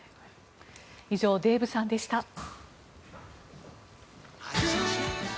以上デーブさんでした。